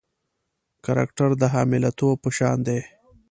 کرکټر د حامله توب په شان دی.